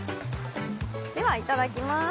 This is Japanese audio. では、いただきます。